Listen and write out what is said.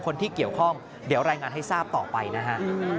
คนที่เกี่ยวข้องเดี๋ยวรายงานให้ทราบต่อไปนะฮะ